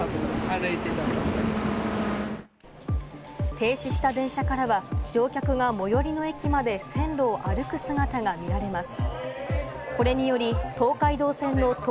停止した電車からは、乗客が最寄りの駅まで線路を歩く姿が見られます。